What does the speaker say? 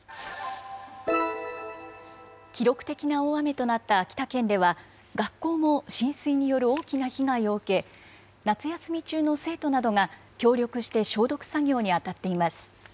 記録的な大雨となった秋田県では、学校も浸水による大きな被害を受け、夏休み中の生徒などが、協力して消毒作業に当たっています。